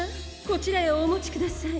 こちらへおもちください」。